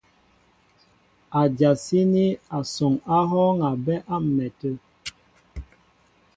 Ádyasíní asɔŋ á hɔ́ɔ́ŋ a bɛ́ á m̀mɛtə̂.